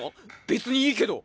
別にいいけど。